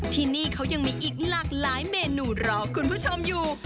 ที่นี่เขายังมีอีกหลากหลายเมนูรอคุณผู้ชมอยู่